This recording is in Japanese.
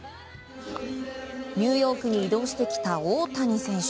ニューヨークに移動してきた大谷選手。